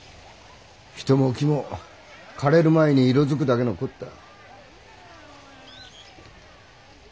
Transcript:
人も木も枯れる前に色づくだけのこった。